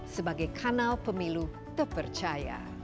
sebagai kanal pemilu terpercaya